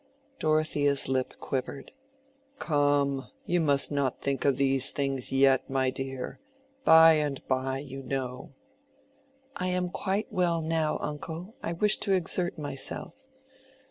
Dorothea's lip quivered. "Come, you must not think of these things yet, my dear. By and by, you know." "I am quite well now, uncle; I wish to exert myself."